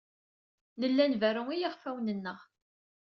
Nella nberru i yiɣfawen-nneɣ.